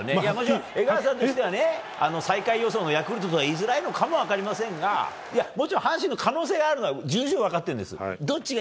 江川さんとしては最下位予想のヤクルトとは言いづらいのかも分かりませんがもちろん阪神の可能性があるのは重々分かってるんです。